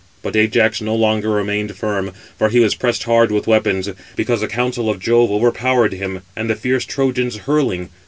But Ajax no longer remained firm, 513 for he was pressed hard with weapons; because the counsel of Jove overpowered him, and the fierce Trojans hurling.